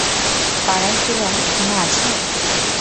পারাসুরাম এখানে আছে?